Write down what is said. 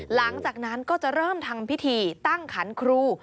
หลังจากนั้นก็จะเริ่มทำพิธีตั้งขันครู